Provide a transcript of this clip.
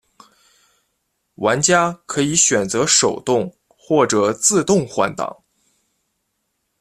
玩家可以选择手动或者自动换挡。